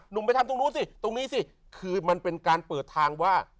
นี่สิคือมันเป็นการเปิดทางว่า